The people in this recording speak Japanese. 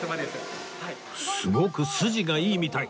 すごく筋がいいみたい。